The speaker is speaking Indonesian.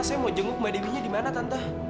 saya mau jenguk mbak dewinya dimana tante